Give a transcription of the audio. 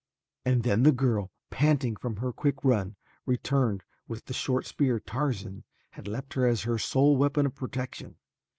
And then the girl, panting from her quick run, returned with the short spear Tarzan had left her as her sole weapon of protection.